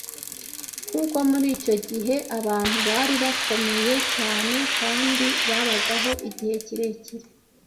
kuko muri icyo gihe abantu bari bakomeye cyane kandi babagaho igihe kirekire